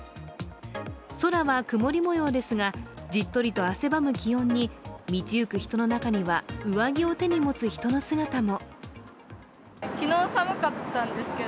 空は曇り模様ですが、じっとりと汗ばむ気温に道行く人の中には上着を手に持つ人の姿も。